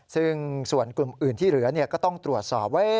ซึ่งส่วนกลุ่มอื่นที่เหลือก็ต้องตรวจสอบว่า